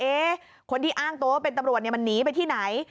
คนที่อ้างตัวว่าเป็นตำรวจมันหนีไปที่ไหน